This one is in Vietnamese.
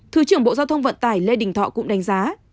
thứ trưởng bộ giao thông vận tải lê đình thọ cũng đánh giá